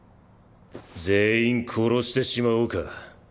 全員殺してしまおうか。